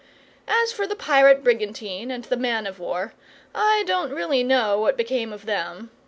As for the pirate brigantine and the man of war, I don't really know what became of them.